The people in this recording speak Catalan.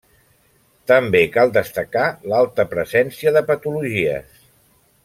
També cal destacar l'alta presència de patologies.